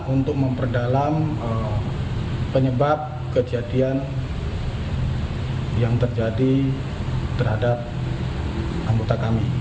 untuk memperdalam penyebab kejadian yang terjadi terhadap anggota kami